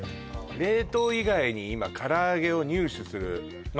冷凍以外に今からあげを入手するまあ